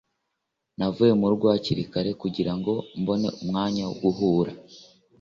navuye mu rugo hakiri kare kugira ngo mbone umwanya wo guhura